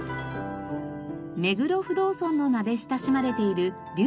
目黒不動尊の名で親しまれている瀧泉寺。